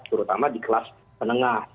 terutama di kelas menengah